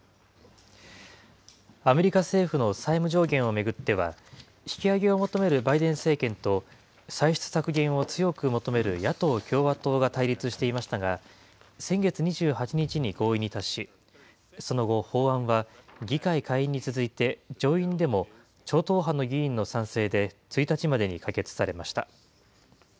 アメリカ政府の債務上限を巡っては、引き上げを求めるバイデン政権と、歳出削減を強く求める野党・共和党が対立していましたが、先月２８日に合意に達し、その後、法案は議会下院に続いて、上院でも超党派の議員の賛成で１日までに可決されました。